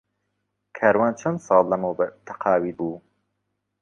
کاروان چەند ساڵ لەمەوبەر تەقاویت بوو.